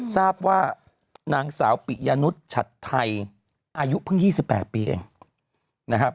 ทราบว่านางสาวปิยานุษย์ฉัดไทยอายุเพิ่ง๒๘ปีเองนะครับ